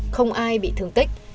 không ai bị thương tích